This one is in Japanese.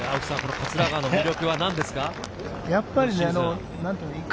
桂川の魅力は何ですか？